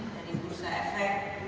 dari bursa efek